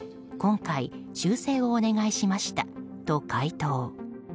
今回、修正をお願いしましたと回答。